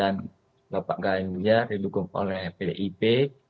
ini gak kelihatan nih gambarnya nih